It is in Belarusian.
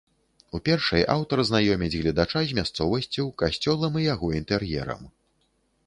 У першай аўтар знаёміць гледача з мясцовасцю, касцёлам і яго інтэр'ерам.